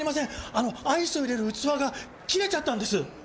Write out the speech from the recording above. あのアイスを入れる器が切れちゃったんです。